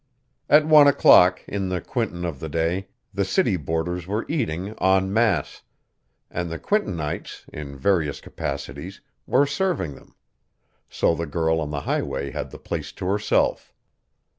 At one o'clock, in the Quinton of that day, the city boarders were eating en masse, and the Quintonites, in various capacities, were serving them; so the girl on the highway had the place to herself.